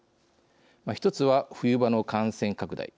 一つは、冬場の感染拡大。